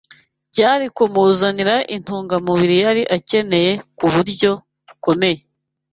byari kumuzanira intungamubiri yari akeneye ku buryo bukomeye.